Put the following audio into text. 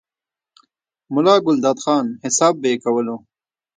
ملا ګلداد خان، حساب به ئې کولو،